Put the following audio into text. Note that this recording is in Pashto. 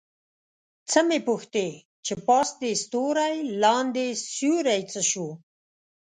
څه مې پوښتې چې پاس دې ستوری لاندې سیوری څه شو؟